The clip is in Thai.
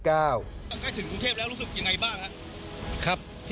ใกล้ถึงกรุงเทพแล้วรู้สึกยังไงบ้างครับ